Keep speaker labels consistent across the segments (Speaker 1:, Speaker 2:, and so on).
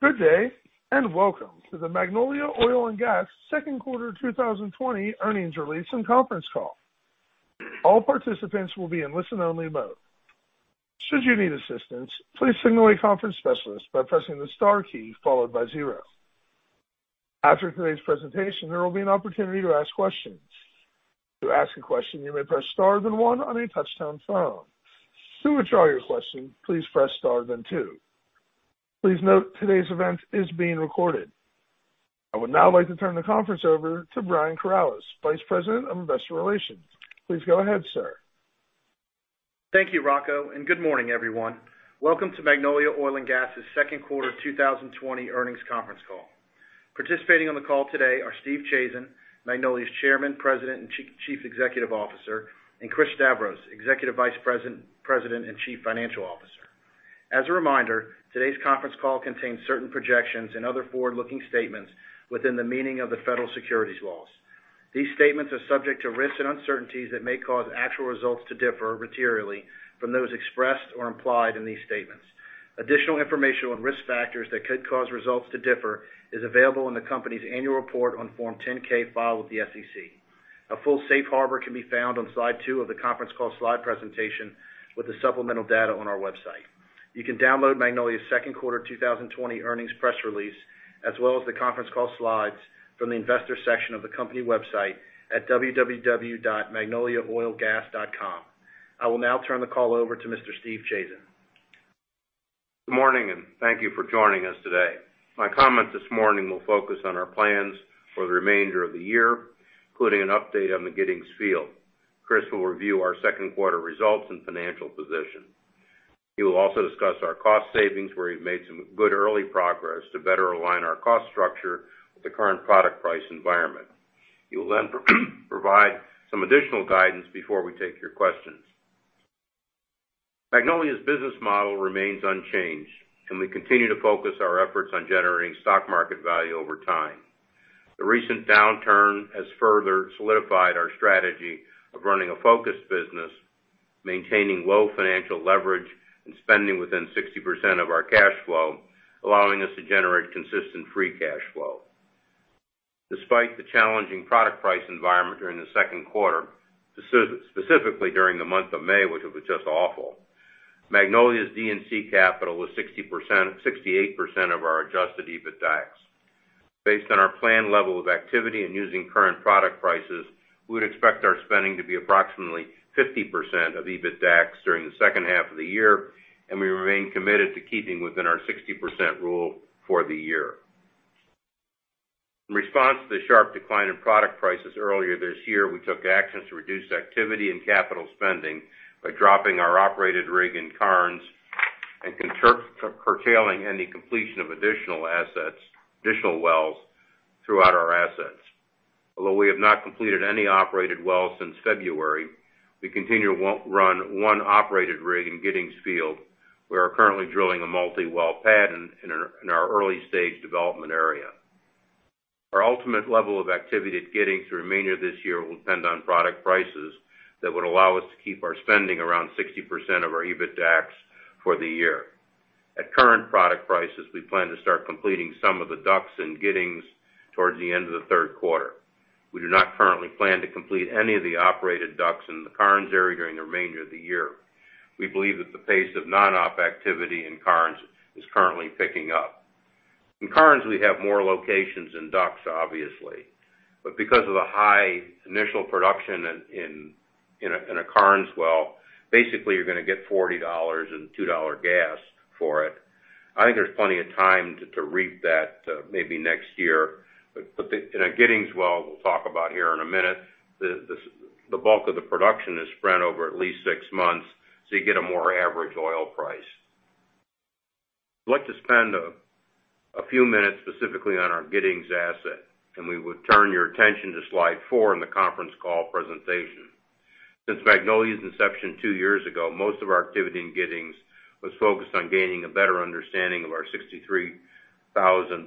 Speaker 1: Good day, and welcome to the Magnolia Oil & Gas second quarter 2020 earnings release and conference call. I would now like to turn the conference over to Brian Corales, Vice President of Investor Relations. Please go ahead, sir.
Speaker 2: Thank you, Rocco, and good morning, everyone. Welcome to Magnolia Oil & Gas's second quarter 2020 earnings conference call. Participating on the call today are Steve Chazen, Magnolia's Chairman, President, and Chief Executive Officer, and Chris Stavros, Executive Vice President and Chief Financial Officer. As a reminder, today's conference call contains certain projections and other forward-looking statements within the meaning of the federal securities laws. These statements are subject to risks and uncertainties that may cause actual results to differ materially from those expressed or implied in these statements. Additional information on risk factors that could cause results to differ is available in the company's annual report on Form 10-K filed with the SEC. A full safe harbor can be found on slide two of the conference call slide presentation with the supplemental data on our website. You can download Magnolia's second quarter 2020 earnings press release, as well as the conference call slides from the investor section of the company website at www.magnoliaoilgas.com. I will now turn the call over to Mr. Steve Chazen.
Speaker 3: Good morning, and thank you for joining us today. My comments this morning will focus on our plans for the remainder of the year, including an update on the Giddings Field. Chris will review our second quarter results and financial position. He will also discuss our cost savings, where he's made some good early progress to better align our cost structure with the current product price environment. He will provide some additional guidance before we take your questions. Magnolia's business model remains unchanged, and we continue to focus our efforts on generating stock market value over time. The recent downturn has further solidified our strategy of running a focused business, maintaining low financial leverage, and spending within 60% of our cash flow, allowing us to generate consistent free cash flow. Despite the challenging product price environment during the second quarter, specifically during the month of May, which was just awful, Magnolia's D&C capital was 68% of our adjusted EBITDAX. Based on our planned level of activity and using current product prices, we would expect our spending to be approximately 50% of EBITDAX during the second half of the year, and we remain committed to keeping within our 60% rule for the year. In response to the sharp decline in product prices earlier this year, we took actions to reduce activity and capital spending by dropping our operated rig in Karnes and curtailing any completion of additional wells throughout our assets. Although we have not completed any operated wells since February, we continue to run one operated rig in Giddings Field. We are currently drilling a multi-well pad in our early stage development area. Our ultimate level of activity at Giddings through the remainder of this year will depend on product prices that would allow us to keep our spending around 60% of our EBITDAX for the year. At current product prices, we plan to start completing some of the DUCs in Giddings towards the end of the third quarter. We do not currently plan to complete any of the operated DUCs in the Karnes area during the remainder of the year. We believe that the pace of non-op activity in Karnes is currently picking up. In Karnes, we have more locations than DUCs, obviously. Because of the high initial production in a Karnes well, basically you're going to get $40 and $2 gas for it. I think there's plenty of time to reap that maybe next year. In a Giddings well, we'll talk about here in a minute, the bulk of the production is spread over at least six months, so you get a more average oil price. I'd like to spend a few minutes specifically on our Giddings asset, and we would turn your attention to slide four in the conference call presentation. Since Magnolia's inception two years ago, most of our activity in Giddings was focused on gaining a better understanding of our 63,000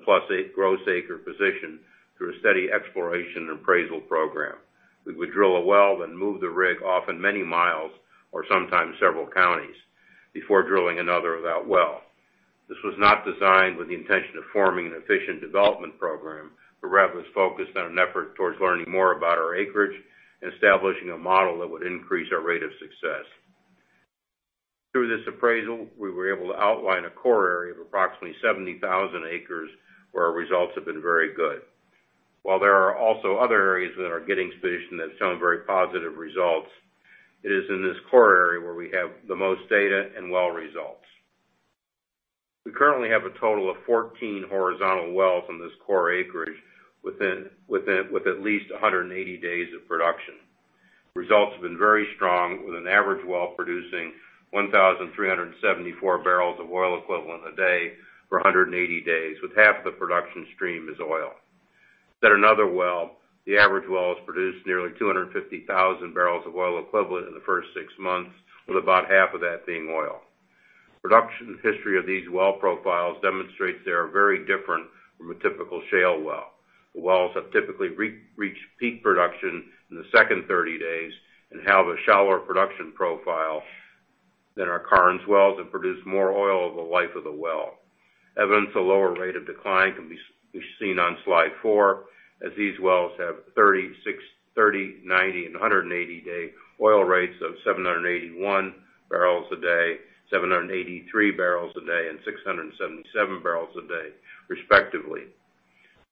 Speaker 3: plus gross acre position through a steady exploration appraisal program. We would drill a well, then move the rig often many miles or sometimes several counties before drilling another of that well. This was not designed with the intention of forming an efficient development program, but rather was focused on an effort towards learning more about our acreage and establishing a model that would increase our rate of success. Through this appraisal, we were able to outline a core area of approximately 70,000 acres where our results have been very good. While there are also other areas within our Giddings position that have shown very positive results, it is in this core area where we have the most data and well results. We currently have a total of 14 horizontal wells in this core acreage with at least 180 days of production. Results have been very strong, with an average well producing 1,374 barrels of oil equivalent a day for 180 days, with half the production stream as oil. At another level, the average well has produced nearly 250,000 barrels of oil equivalent in the first six months, with about half of that being oil. Production history of these well profiles demonstrates they are very different from a typical shale well. The wells have typically reached peak production in the second 30 days and have a shallower production profile than our current wells that produce more oil over the life of the well. Evidence of lower rate of decline can be seen on slide four, as these wells have 30, 60, 90, and 180-day oil rates of 781 barrels a day, 783 barrels a day, and 677 barrels a day, respectively.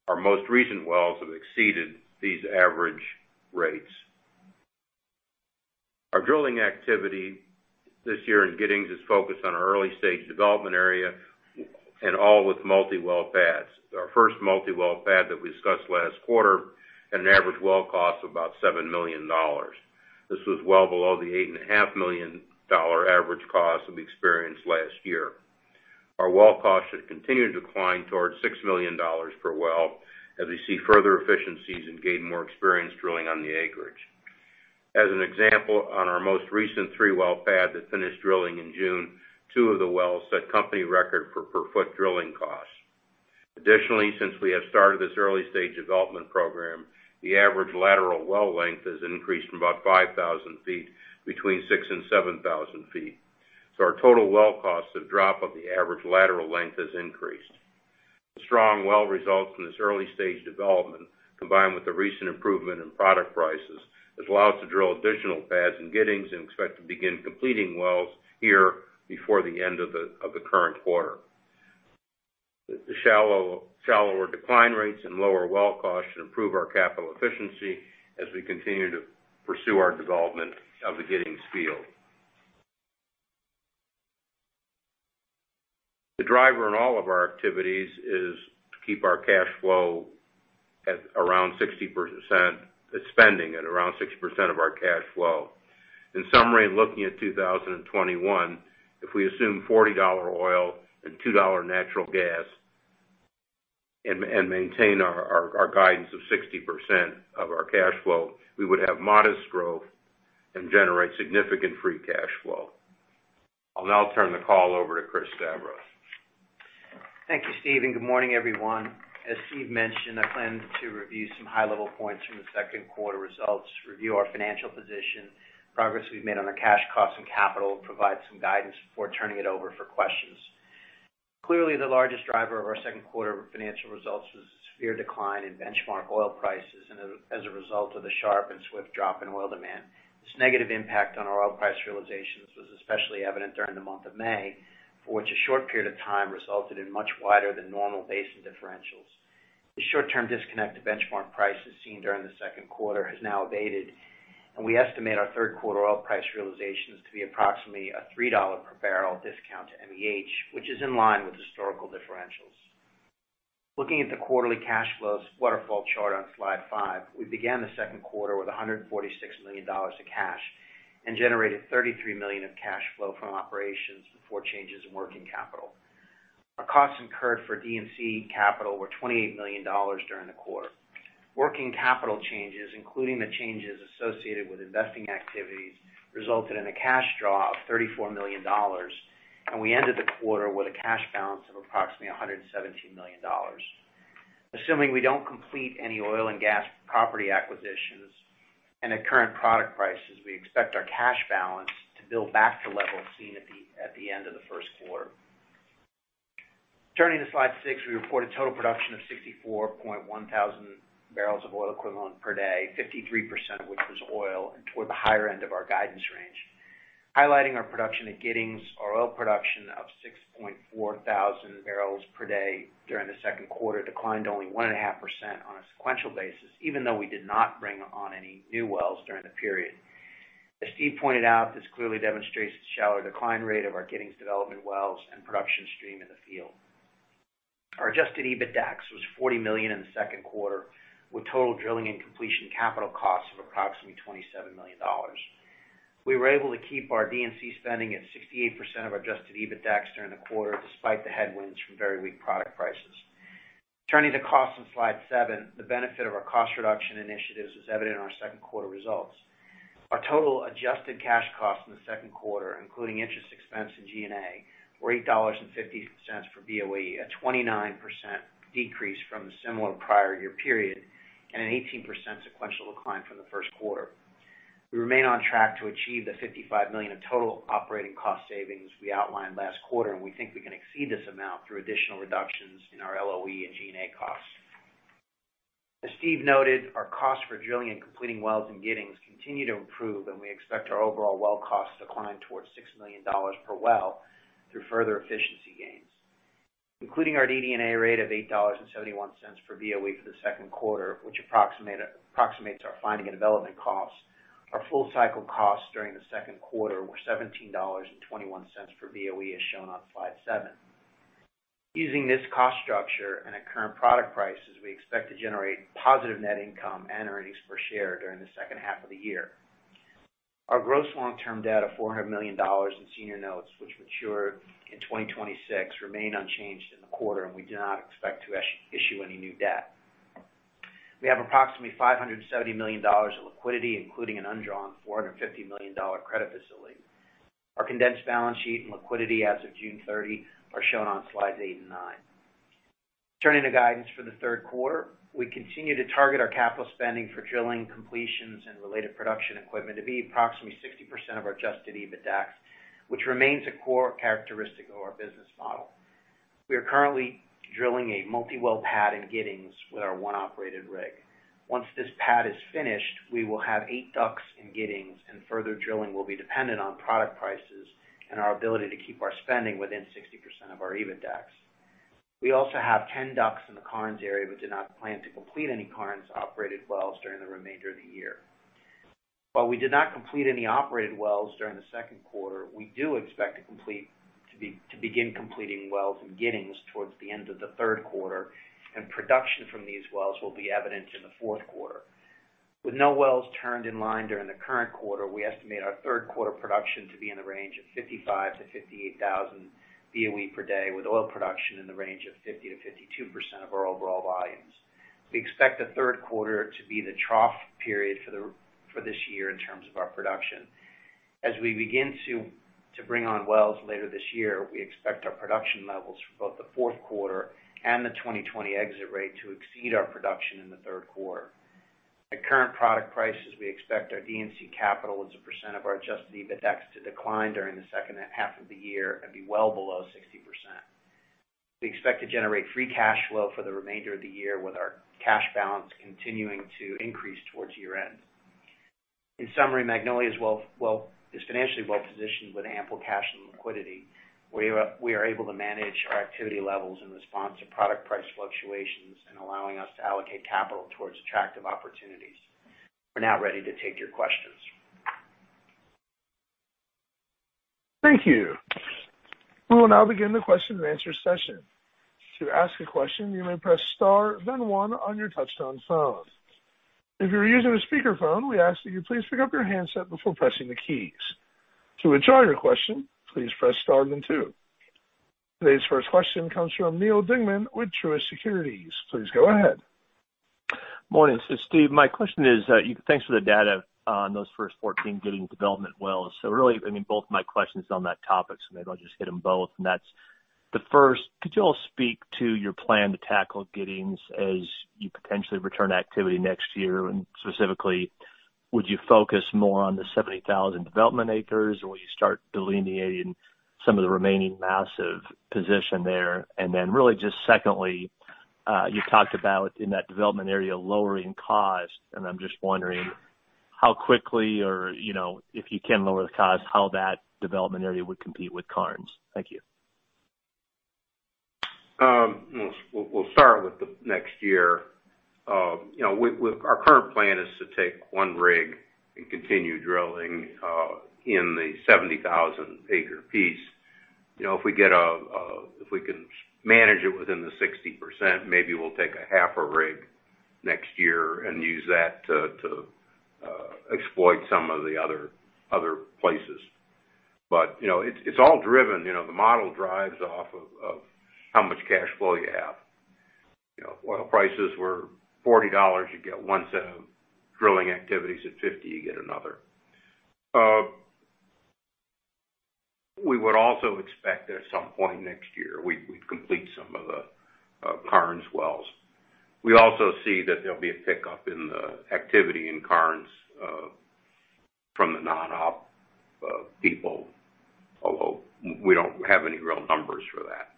Speaker 3: Our most recent wells have exceeded these average rates. Our drilling activity this year in Giddings is focused on our early-stage development area and all with multi-well pads. Our first multi-well pad that we discussed last quarter, had an average well cost of about $7 million. This was well below the $8.5 million average cost that we experienced last year. Our well costs should continue to decline towards $6 million per well as we see further efficiencies and gain more experience drilling on the acreage. As an example, on our most recent three-well pad that finished drilling in June, two of the wells set company record for per-foot drilling costs. Additionally, since we have started this early-stage development program, the average lateral well length has increased from about 5,000 feet, between 6,000 and 7,000 feet. Our total well costs have dropped but the average lateral length has increased. The strong well results in this early-stage development, combined with the recent improvement in product prices, has allowed us to drill additional pads in Giddings and expect to begin completing wells here before the end of the current quarter. The shallower decline rates and lower well costs should improve our capital efficiency as we continue to pursue our development of the Giddings field. The driver in all of our activities is to keep our spending at around 60% of our cash flow. In summary, looking at 2021, if we assume $40 oil and $2 natural gas and maintain our guidance of 60% of our cash flow, we would have modest growth and generate significant free cash flow. I'll now turn the call over to Christopher Stavros.
Speaker 4: Thank you, Steve, and good morning, everyone. As Steve mentioned, I plan to review some high-level points from the second quarter results, review our financial position, progress we've made on our cash costs and capital, and provide some guidance before turning it over for questions. Clearly, the largest driver of our second quarter financial results was the severe decline in benchmark oil prices and as a result of the sharp and swift drop in oil demand. This negative impact on our oil price realizations was especially evident during the month of May, for which a short period of time resulted in much wider than normal basin differentials. The short-term disconnect to benchmark prices seen during the second quarter has now abated, and we estimate our third quarter oil price realizations to be approximately a $3 per barrel discount to MEH, which is in line with historical differentials. Looking at the quarterly cash flows waterfall chart on slide five, we began the second quarter with $146 million of cash and generated $33 million of cash flow from operations before changes in working capital. Our costs incurred for D&C capital were $28 million during the quarter. Working capital changes, including the changes associated with investing activities, resulted in a cash draw of $34 million, and we ended the quarter with a cash balance of approximately $117 million. Assuming we don't complete any oil and gas property acquisitions, and at current product prices, we expect our cash balance to build back to levels seen at the end of the first quarter. Turning to slide six, we reported total production of 64.1 thousand barrels of oil equivalent per day, 53% of which was oil, and toward the higher end of our guidance range. Highlighting our production at Giddings, our oil production of 6.4 thousand barrels per day during the second quarter declined only 1.5% on a sequential basis, even though we did not bring on any new wells during the period. As Steve pointed out, this clearly demonstrates the shallower decline rate of our Giddings development wells and production stream in the field. Our adjusted EBITDAX was $40 million in the second quarter, with total drilling and completion capital costs of approximately $27 million. We were able to keep our D&C spending at 68% of our adjusted EBITDAX during the quarter, despite the headwinds from very weak product prices. Turning to costs on slide seven, the benefit of our cost reduction initiatives is evident in our second quarter results. Our total adjusted cash costs in the second quarter, including interest expense and G&A, were $8.50 per BOE, a 29% decrease from the similar prior year period and an 18% sequential decline from the first quarter. We remain on track to achieve the $55 million of total operating cost savings we outlined last quarter, and we think we can exceed this amount through additional reductions in our LOE and G&A costs. As Steve noted, our costs for drilling and completing wells in Giddings continue to improve, and we expect our overall well costs to decline towards $6 million per well through further efficiency gains. Including our DD&A rate of $8.71 per BOE for the second quarter, which approximates our finding and development costs, our full-cycle costs during the second quarter were $17.21 per BOE, as shown on slide seven. Using this cost structure and at current product prices, we expect to generate positive net income and earnings per share during the second half of the year. Our gross long-term debt of $400 million in senior notes, which mature in 2026, remained unchanged in the quarter. We do not expect to issue any new debt. We have approximately $570 million of liquidity, including an undrawn $450 million credit facility. Our condensed balance sheet and liquidity as of June 30 are shown on slides eight and nine. Turning to guidance for the third quarter, we continue to target our capital spending for drilling completions and related production equipment to be approximately 60% of our adjusted EBITDAX, which remains a core characteristic of our business model. We are currently drilling a multi-well pad in Giddings with our one operated rig. Once this pad is finished, we will have 8 DUCs in Giddings. Further drilling will be dependent on product prices and our ability to keep our spending within 60% of our EBITDAX. We also have 10 DUCs in the Karnes area. We do not plan to complete any Karnes operated wells during the remainder of the year. While we did not complete any operated wells during the second quarter, we do expect to begin completing wells in Giddings towards the end of the third quarter. Production from these wells will be evident in the fourth quarter. With no wells turned in line during the current quarter, we estimate our third quarter production to be in the range of 55,000-58,000 BOE per day, with oil production in the range of 50%-52% of our overall volumes. We expect the third quarter to be the trough period for this year in terms of our production. As we begin to bring on wells later this year, we expect our production levels for both the fourth quarter and the 2020 exit rate to exceed our production in the third quarter. At current product prices, we expect our D&C capital as a percent of our adjusted EBITDAX to decline during the second half of the year and be well below 60%. We expect to generate free cash flow for the remainder of the year, with our cash balance continuing to increase towards year-end. In summary, Magnolia is financially well-positioned with ample cash and liquidity. We are able to manage our activity levels in response to product price fluctuations and allowing us to allocate capital towards attractive opportunities. We're now ready to take your questions.
Speaker 1: Thank you. We will now begin the question and answer session. Today's first question comes from Neal Dingmann with Truist Securities. Please go ahead.
Speaker 5: Morning. Steve, my question is, thanks for the data on those first 14 Giddings development wells. Really, both my questions are on that topic, so maybe I'll just hit them both, and that's the first. Could you all speak to your plan to tackle Giddings as you potentially return to activity next year? Specifically, would you focus more on the 70,000 development acres, or will you start delineating some of the remaining massive position there? Really just secondly, you talked about in that development area, lowering cost, and I'm just wondering how quickly or, if you can lower the cost, how that development area would compete with Karnes. Thank you.
Speaker 3: We'll start with the next year. Our current plan is to take one rig and continue drilling in the 70,000-acre piece. If we can manage it within the 60%, maybe we'll take a half a rig next year and use that to exploit some of the other places. It's all driven. The model drives off of how much cash flow you have. If oil prices were $40, you'd get one set of drilling activities. At $50, you get another. We would also expect at some point next year, we'd complete some of the Karnes wells. We also see that there'll be a pickup in the activity in Karnes from the non-op people, although we don't have any real numbers for that.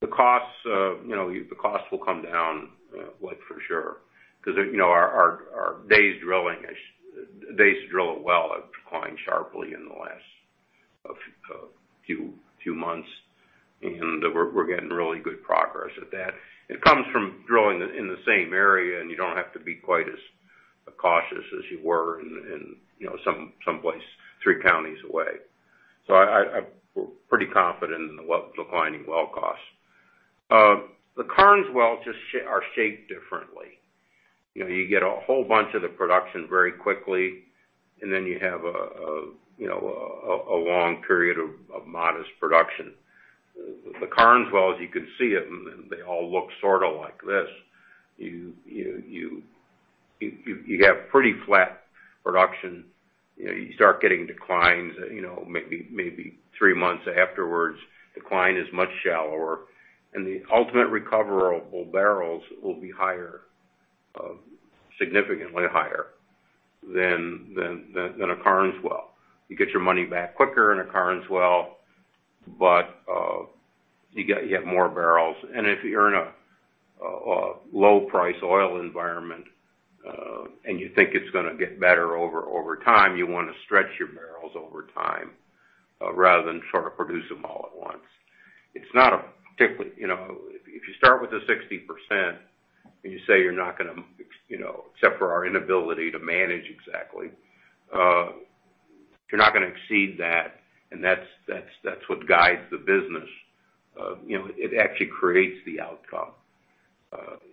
Speaker 3: The costs will come down for sure because our days to drill a well have declined sharply in the last few months, and we're getting really good progress at that. It comes from drilling in the same area, you don't have to be quite as cautious as you were in some place three counties away. We're pretty confident in the declining well cost. The Karnes wells are shaped differently. You get a whole bunch of the production very quickly, and then you have a long period of modest production. The Karnes wells, you can see it, they all look sort of like this. You have pretty flat production. You start getting declines maybe three months afterwards. Decline is much shallower, the ultimate recoverable barrels will be significantly higher than a Karnes well. You get your money back quicker in a Karnes well, but you get more barrels. If you're in a low price oil environment, and you think it's going to get better over time, you want to stretch your barrels over time rather than produce them all at once. If you start with the 60% and you say you're not going to, except for our inability to manage exactly, you're not going to exceed that. That's what guides the business. It actually creates the outcome.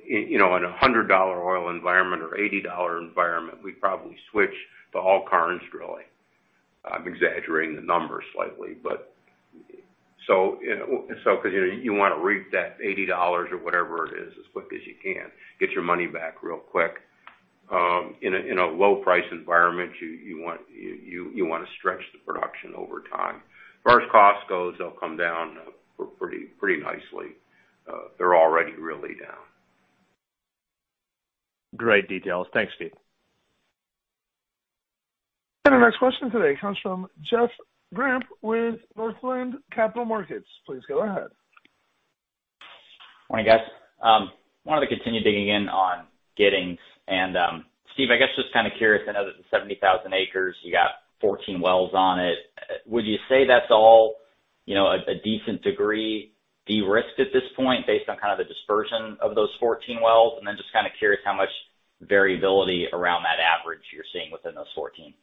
Speaker 3: In a $100 oil environment or $80 environment, we'd probably switch to all Karnes drilling. I'm exaggerating the numbers slightly. You want to reap that $80 or whatever it is as quick as you can, get your money back real quick. In a low price environment, you want to stretch the production over time. As far as cost goes, they'll come down pretty nicely. They're already really down.
Speaker 5: Great details. Thanks, Steve.
Speaker 1: Our next question today comes from Jeff Grampp with Northland Capital Markets. Please go ahead.
Speaker 6: Morning, guys. Wanted to continue digging in on Giddings. Steve, I guess just kind of curious, I know that the 70,000 acres, you got 14 wells on it. Would you say that's all a decent degree de-risked at this point based on kind of the dispersion of those 14 wells? Then just kind of curious how much variability around that average you're seeing within those 14.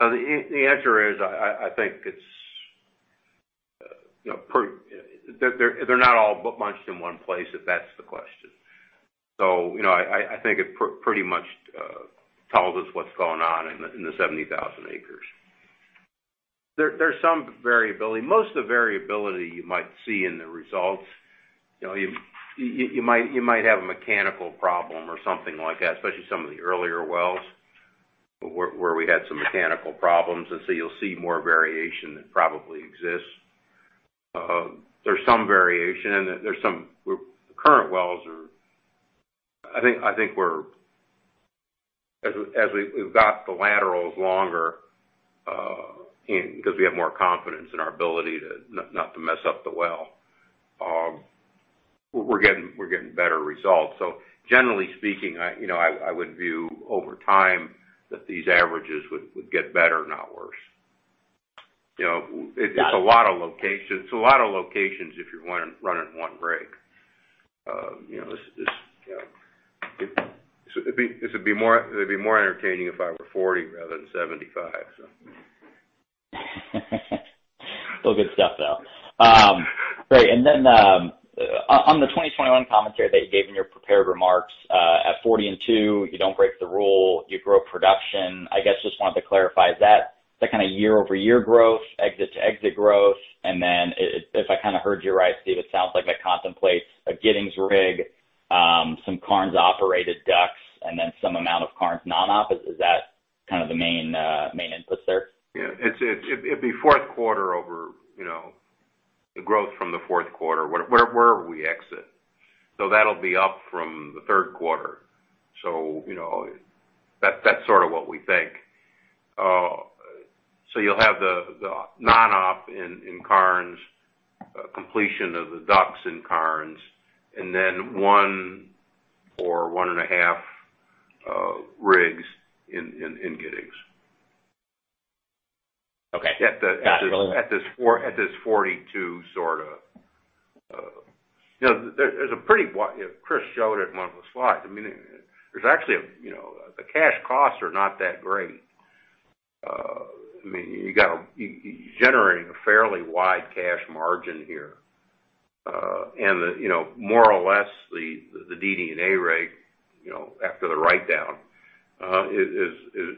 Speaker 3: The answer is, I think they're not all bunched in one place, if that's the question. I think it pretty much tells us what's going on in the 70,000 acres. There's some variability. Most of the variability you might see in the results, you might have a mechanical problem or something like that, especially some of the earlier wells where we had some mechanical problems, you'll see more variation that probably exists. There's some variation, the current wells are I think as we've got the laterals longer, because we have more confidence in our ability not to mess up the well, we're getting better results. Generally speaking, I would view over time that these averages would get better, not worse.
Speaker 6: Got it.
Speaker 3: It's a lot of locations if you're running one rig. It'd be more entertaining if I were 40 rather than 75.
Speaker 6: Still good stuff, though. Great. On the 2021 commentary that you gave in your prepared remarks, at 40 and two, you don't break the rule, you grow production. I guess, just wanted to clarify, is that the year-over-year growth, exit to exit growth? If I heard you right, Steve, it sounds like that contemplates a Giddings rig, some Karnes operated DUCs, and then some amount of Karnes non-op. Is that kind of the main inputs there?
Speaker 3: Yeah. It'd be the growth from the fourth quarter, where we exit. That'll be up from the third quarter. That's sort of what we think. You'll have the non-op in Karnes, completion of the DUCs in Karnes, and then one or one and a half rigs in Giddings.
Speaker 6: Okay. Got it.
Speaker 3: At this [42], sort of. Chris showed it in one of the slides. The cash costs are not that great. You're generating a fairly wide cash margin here. More or less, the DD&A rate, after the write-down, is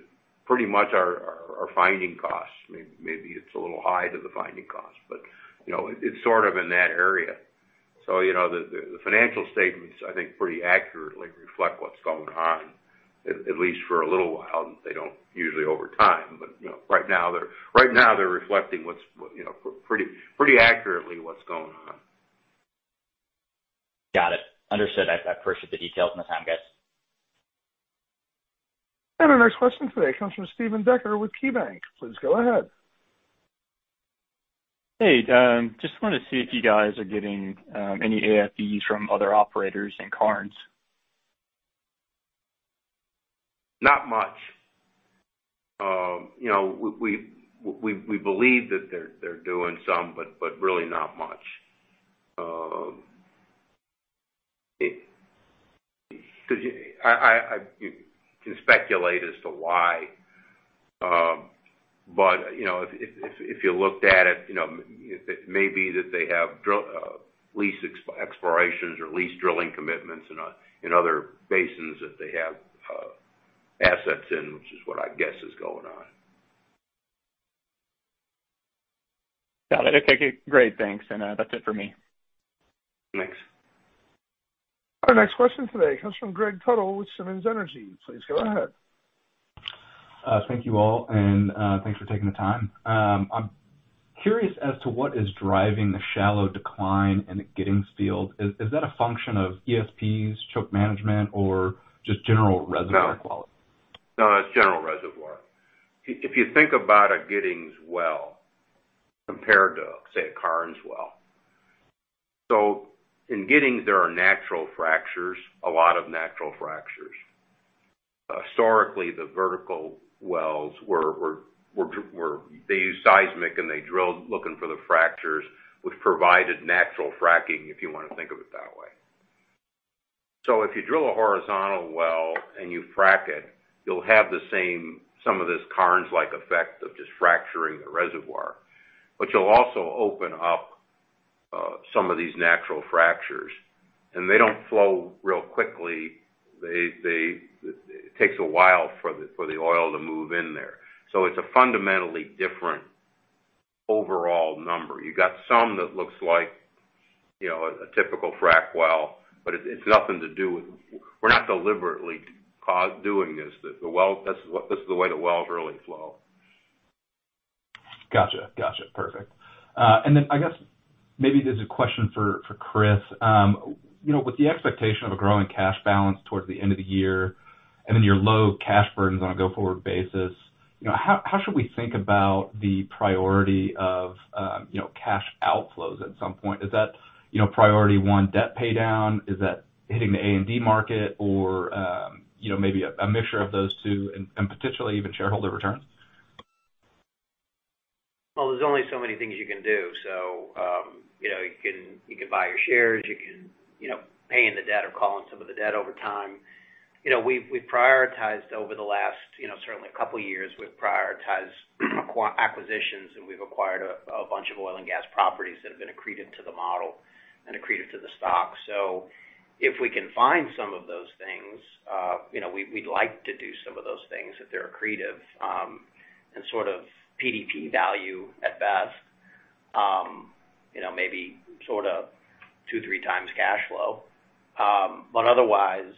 Speaker 3: pretty much our finding cost. Maybe it's a little high to the finding cost, but it's sort of in that area. The financial statements, I think, pretty accurately reflect what's going on, at least for a little while. They don't usually over time. Right now they're reflecting pretty accurately what's going on.
Speaker 6: Got it. Understood. I appreciate the details and the time, guys.
Speaker 1: Our next question today comes from Stephen Decker with KeyBanc. Please go ahead.
Speaker 7: Hey, just wanted to see if you guys are getting any AFE from other operators in Karnes?
Speaker 3: Not much. We believe that they're doing some, but really not much. I can speculate as to why. If you looked at it may be that they have lease explorations or lease drilling commitments in other basins that they have assets in, which is what I guess is going on.
Speaker 7: Got it. Okay, great. Thanks. That's it for me.
Speaker 3: Thanks.
Speaker 1: Our next question today comes from Guy Baber with Simmons Energy. Please go ahead.
Speaker 8: Thank you all. Thanks for taking the time. I'm curious as to what is driving the shallow decline in the Giddings Field. Is that a function of ESPs, choke management, or just general reservoir quality?
Speaker 3: No, it's general reservoir. If you think about a Giddings well compared to, say, a Karnes well. In Giddings, there are natural fractures, a lot of natural fractures. Historically, the vertical wells, they used seismic and they drilled looking for the fractures, which provided natural fracking, if you want to think of it that way. If you drill a horizontal well and you frack it, you'll have some of this Karnes-like effect of just fracturing the reservoir. You'll also open up some of these natural fractures, and they don't flow real quickly. It takes a while for the oil to move in there. It's a fundamentally different. Overall number. You've got some that looks like a typical frack well, but it's nothing to do with. We're not deliberately doing this. This is the way the wells really flow.
Speaker 8: Got you. Perfect. I guess maybe this is a question for Chris. With the expectation of a growing cash balance towards the end of the year, your low cash burns on a go-forward basis, how should we think about the priority of cash outflows at some point? Is that priority one debt paydown? Is that hitting the A&D market? Maybe a mixture of those two and potentially even shareholder returns?
Speaker 4: There's only so many things you can do. You can buy your shares, you can pay in the debt or call in some of the debt over time. We've prioritized over the last, certainly a couple of years, we've prioritized acquisitions, we've acquired a bunch of oil and gas properties that have been accretive to the model and accretive to the stock. If we can find some of those things, we'd like to do some of those things if they're accretive, and sort of PDP value at best, maybe two, three times cash flow. Otherwise,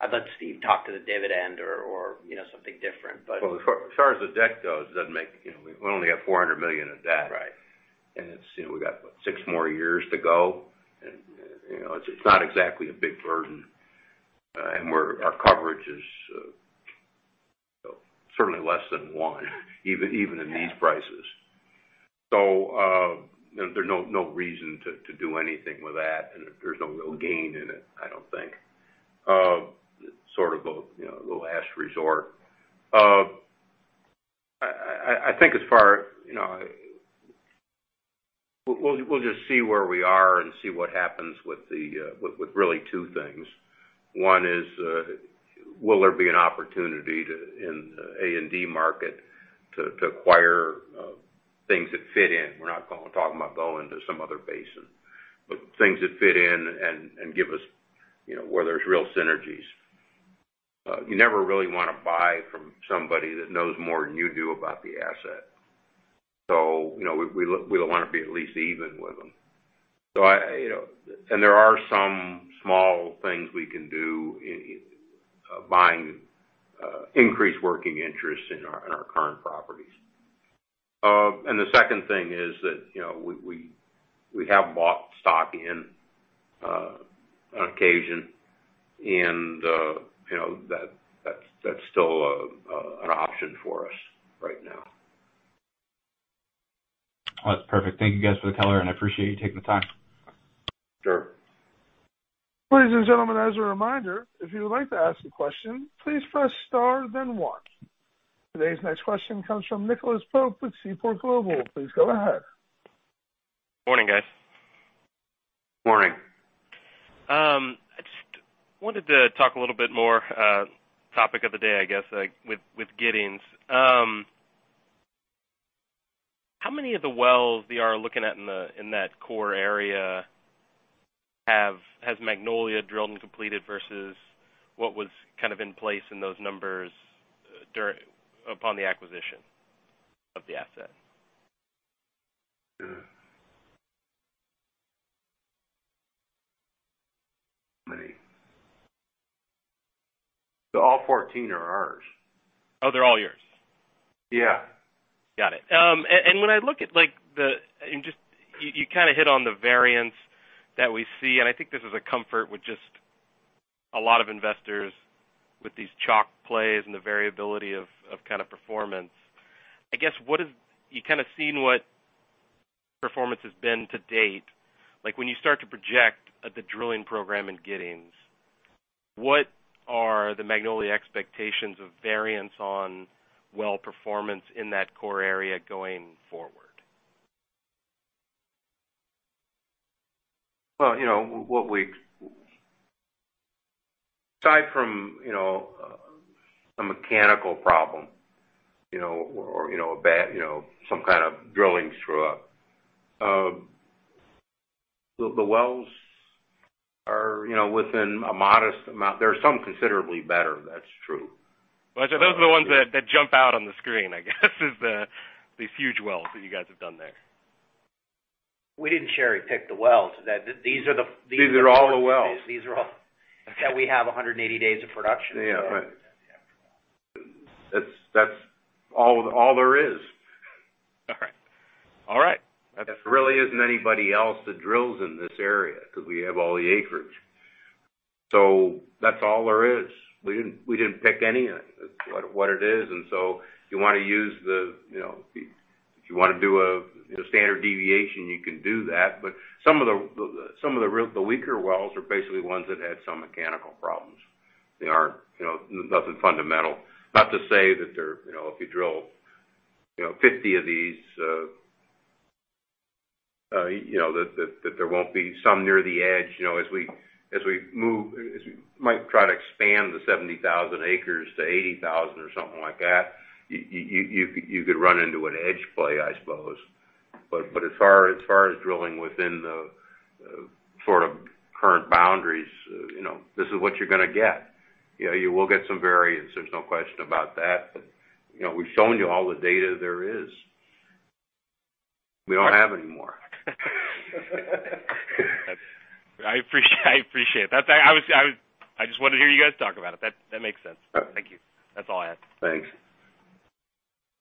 Speaker 4: I'd let Steve talk to the dividend or something different.
Speaker 3: Well, as far as the debt goes, we've only got $400 million of debt.
Speaker 4: Right.
Speaker 3: We've got six more years to go, and it's not exactly a big burden. Our coverage is certainly less than one, even in these prices. There's no reason to do anything with that, and there's no real gain in it, I don't think. Sort of a last resort. We'll just see where we are and see what happens with really two things. One is, will there be an opportunity in the A&D market to acquire things that fit in? We're not talking about going to some other basin. Things that fit in and give us where there's real synergies. You never really want to buy from somebody that knows more than you do about the asset. We'll want to be at least even with them. There are some small things we can do in buying increased working interest in our current properties. The second thing is that we have bought stock in occasion, and that's still an option for us right now.
Speaker 8: That's perfect. Thank you guys for the color, and I appreciate you taking the time.
Speaker 3: Sure.
Speaker 1: Ladies and gentlemen, as a reminder, if you would like to ask a question, please press star, then one. Today's next question comes from Nicholas Pope with Seaport Global. Please go ahead.
Speaker 9: Morning, guys.
Speaker 3: Morning.
Speaker 9: I just wanted to talk a little bit more, topic of the day, I guess, with Giddings. How many of the wells you are looking at in that core area has Magnolia drilled and completed versus what was in place in those numbers upon the acquisition of the asset?
Speaker 3: How many? All 14 are ours.
Speaker 9: Oh, they're all yours?
Speaker 3: Yeah.
Speaker 9: Got it. You hit on the variance that we see, and I think this is a comfort with just a lot of investors with these chalk plays and the variability of performance. I guess, you've seen what performance has been to date. When you start to project the drilling program in Giddings, what are the Magnolia expectations of variance on well performance in that core area going forward?
Speaker 3: Well, aside from a mechanical problem, or some kind of drilling screw-up, the wells are within a modest amount. There are some considerably better, that's true.
Speaker 9: Those are the ones that jump out on the screen, I guess, is the huge wells that you guys have done there.
Speaker 4: We didn't cherry-pick the wells. These are all the wells. these are all that we have 180 days of production.
Speaker 3: Yeah. That's all there is.
Speaker 9: All right.
Speaker 3: There really isn't anybody else that drills in this area because we have all the acreage. That's all there is. We didn't pick any of it. That's what it is, if you want to do a standard deviation, you can do that, but some of the weaker wells are basically ones that had some mechanical problems. Nothing fundamental. Not to say that if you drill 50 of these, that there won't be some near the edge. As we might try to expand the 70,000 acres to 80,000 or something like that, you could run into an edge play, I suppose. As far as drilling within the sort of current boundaries, this is what you're going to get. You will get some variance, there's no question about that. We've shown you all the data there is. We don't have any more.
Speaker 9: I appreciate that. I just wanted to hear you guys talk about it. That makes sense. Thank you. That's all I had.
Speaker 3: Thanks.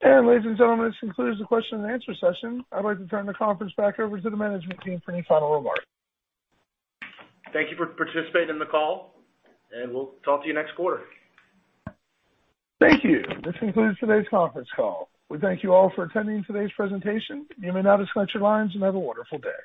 Speaker 1: Ladies and gentlemen, this concludes the question and answer session. I'd like to turn the conference back over to the management team for any final remarks.
Speaker 4: Thank you for participating in the call. We'll talk to you next quarter.
Speaker 1: Thank you. This concludes today's conference call. We thank you all for attending today's presentation. You may now disconnect your lines and have a wonderful day.